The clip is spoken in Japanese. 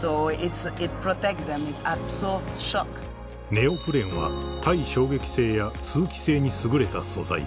［ネオプレンは耐衝撃性や通気性に優れた素材］